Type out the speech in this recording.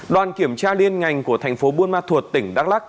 đoàn kiểm tra liên ngành của thành phố buôn ma thuột tỉnh đắk lắc